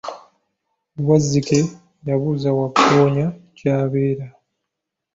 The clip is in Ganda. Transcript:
Wazzike yabuuza Waggoonya gy'abeera.